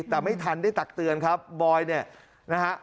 แต่ไม่ทันได้ตักเตือนครับบอยเนี่ยนะฮะ